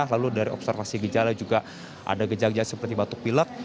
lalu dari observasi gejala juga ada gejala gejala seperti batuk pilek